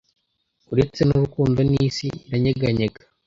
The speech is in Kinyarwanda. uretse nurukundo nisi iranyeganyega